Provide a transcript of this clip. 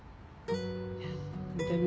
でも。